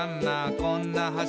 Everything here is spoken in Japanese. こんな橋」